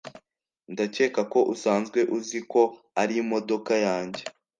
ndakeka ko usanzwe uzi ko arimodoka yanjye